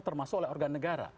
termasuk oleh organ negara